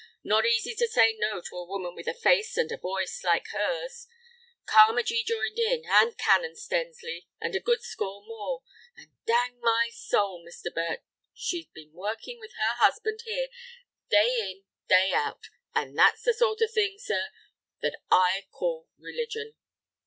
Not easy to say no to a woman with a face and a voice like hers. Carmagee joined in, and Canon Stensly, and a good score more. And dang my soul, Mr. Burt, she'd been working with her husband here, day in, day out; and that's the sort of thing, sir, that I call religion."